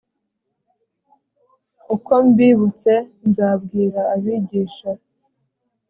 uko mbibutse nzabwira abigisha